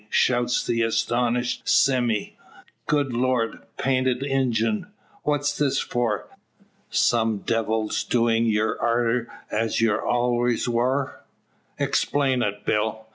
shouts the astonished Sime, "Good Lord! Painted Injun! What's this for? Some devil's doings ye're arter as ye allers war. Explain it, Bill!